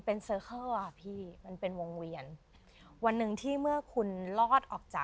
เพราะอะไรแล้วฮะ